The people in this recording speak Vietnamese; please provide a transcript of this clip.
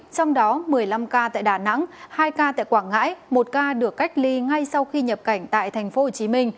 trong đó một mươi năm ca tại đà nẵng hai ca tại quảng ngãi một ca được cách ly ngay sau khi nhập cảnh tại tp hcm